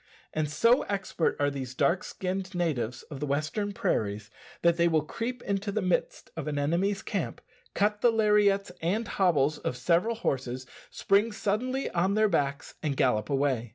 And so expert are these dark skinned natives of the western prairies, that they will creep into the midst of an enemy's camp, cut the lariats and hobbles of several horses, spring suddenly on their backs, and gallop away.